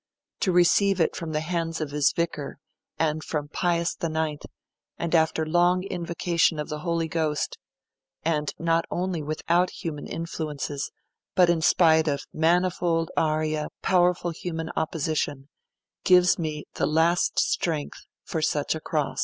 To receive it from the hands of His Vicar, and from Pius IX, and after long invocation of the Holy Ghost, and not only without human influences, but in spite of manifold aria powerful human opposition, gives me the last strength for such a cross.'